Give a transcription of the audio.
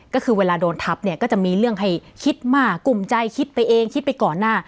ก็คือเวลาโดนทับเนี่ยก็จะมีเรื่องให้คิดมากกลุ่มใจคิดไปเองคิดไปก่อนหน้า